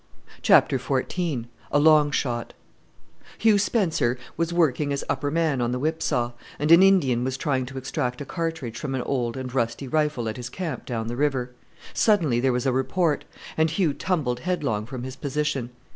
CHAPTER XIV A LONG SHOT Hugh Spencer was working as upper man on the whip saw, and an Indian was trying to extract a cartridge from an old and rusty rifle at his camp down the river. Suddenly there was a report, and Hugh tumbled headlong from his position.